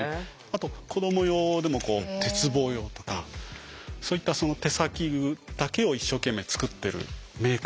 あと子ども用でも鉄棒用とかそういった手先だけを一生懸命つくってるメーカーもあるんですよ。